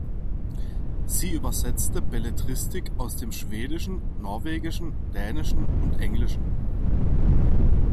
Sie übersetzte Belletristik aus dem Schwedischen, Norwegischen, Dänischen und Englischen.